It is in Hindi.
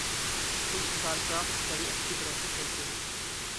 तुम स्टारक्राफ़्ट बड़ी अच्छी तरह से खेलते हो।